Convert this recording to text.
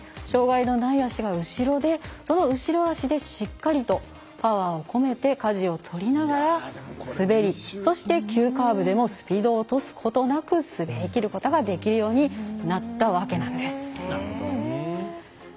障がいのない足が後ろでその後ろ足で、しっかりとパワーをこめてかじを取りながら滑りそして、急カーブでもスピードを落とすことなく滑りきることができるようになったわけです。